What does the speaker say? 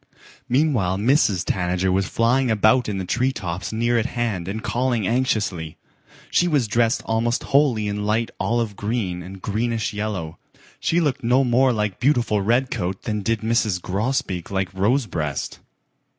Meanwhile Mrs. Tanager was flying about in the tree tops near at hand and calling anxiously. She was dressed almost wholly in light olive green and greenish yellow. She looked no more like beautiful Redcoat than did Mrs. Grosbeak like Rosebreast.